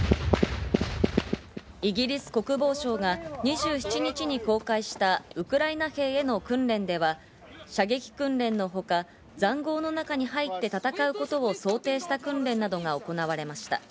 イギリス国防省が２７日に公開したウクライナ兵への訓練では、射撃訓練のほか、塹壕の中に入って戦うことを想定した訓練などが行われました。